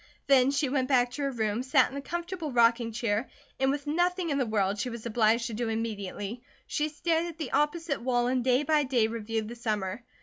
Then she went back to her room, sat in the comfortable rocking chair, and with nothing in the world she was obliged to do immediately, she stared at the opposite wall and day by day reviewed the summer.